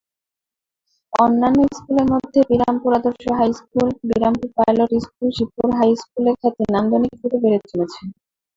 অন্যান্য স্কুলের মধ্যে Birampur Adarsha high school, Birampur pilot high school, Shibpur high school এর খ্যাতি নান্দনিক রূপে বেড়ে চলেছে।